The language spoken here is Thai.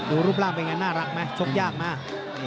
รูปร่างเป็นไงน่ารักไหมชกยากมาก